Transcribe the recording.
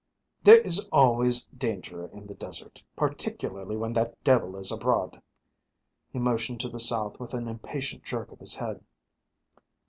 "There is always danger in the desert, particularly when that devil is abroad." He motioned to the south with an impatient jerk of his head.